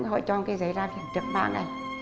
họ cho ông cái giấy ra viện trước ba ngày